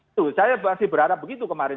itu saya masih berharap begitu kemarin